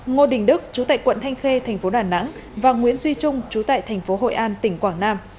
ngo đình đức trú tại quận thanh khê thành phố đà nẵng và nguyễn duy trung trú tại thành phố hội an tỉnh quảng nam